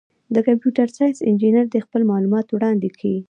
د کمپیوټر ساینس انجینر دي خپل معلومات وړاندي کي.